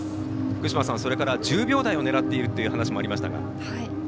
福島さん、１０秒台を狙っているという話もありました。